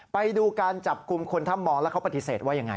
ไปดูการจับกลุ่มคนถ้ามองแล้วเขาปฏิเสธว่ายังไง